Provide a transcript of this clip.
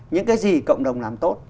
những cái gì cộng đồng làm tốt